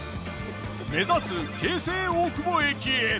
目指す京成大久保駅へ。